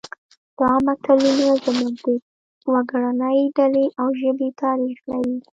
دا متلونه زموږ د وګړنۍ ډلې او ژبې تاریخ لري